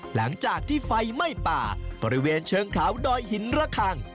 หลังจากที่ไฟไหม้ป่าบริเวณเชิงเขาดอยหินระคัง